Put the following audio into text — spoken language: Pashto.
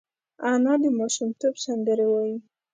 انا د ماشومتوب سندرې وايي